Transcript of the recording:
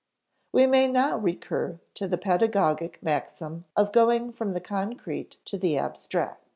We may now recur to the pedagogic maxim of going from the concrete to the abstract.